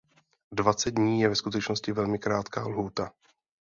Dvacet dní je ve skutečnosti velmi krátká lhůta.